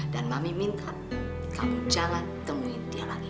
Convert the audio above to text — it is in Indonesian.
dan mami minta kamu jangan temuin dia lagi